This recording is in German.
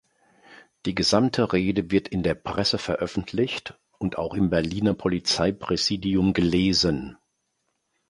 Die gesamte Rede wird in der Presse veröffentlicht und auch im Berliner Polizeipräsidium gelesen.